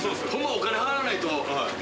お金払わないと。